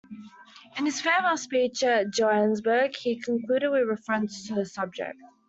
In his farewell speech at Johannesburg he concluded with a reference to the subject.